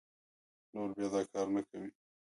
نور بيا دا کار نه کوي